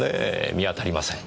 見当たりません。